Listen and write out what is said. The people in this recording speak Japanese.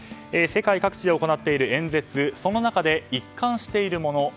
世界各地で行っている演説その中で一貫しているもの